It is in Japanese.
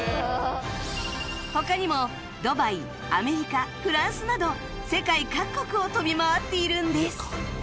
他にもドバイアメリカフランスなど世界各国を飛び回っているんです